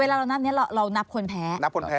เวลาเรานับเนี่ยเรานับคนแพ้